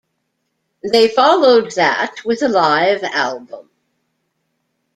They followed that with a live album.